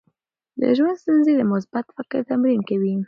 د ژوند ستونزې د مثبت فکر تمرین کوي.